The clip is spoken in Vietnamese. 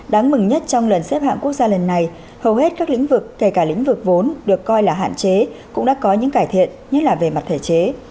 đáng mừng nhất trong lần xếp hạng quốc gia lần này hầu hết các lĩnh vực kể cả lĩnh vực vốn được coi là hạn chế cũng đã có những cải thiện nhất là về mặt thể chế